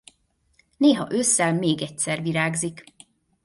Néha ősszel még egyszer virágzik.